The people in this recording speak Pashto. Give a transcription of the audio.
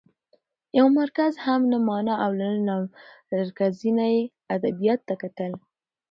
يو مرکز هم نه مانه او له نامرکزۍ نه يې ادبياتو ته کتل؛